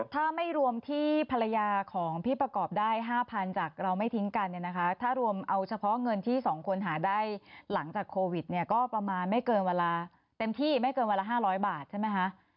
ถ้าไม่รวมที่ภรรยาของพี่ประกอบได้๕๐๐๐จากเราไม่ทิ้งกันเนี่ยนะคะถ้ารวมเอาเฉพาะเงินที่๒คนหาได้หลังจากโควิดเนี่ยก็ประมาณไม่เกินเวลาเต็มที่ไม่เกินวันละ๕๐๐บาทใช่ไหมคะ